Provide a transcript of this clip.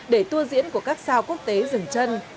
để tua diễn của các sao quốc tế dừng chân